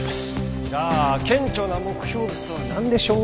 じゃあ顕著な目標物は何でしょう？